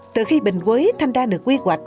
từ khi bình quế thành ra được quy hoạch